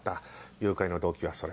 誘拐の動機はそれ。